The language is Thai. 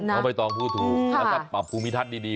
ไม่ต้องพูดถูกแล้วถ้าปรับภูมิทัศน์ดี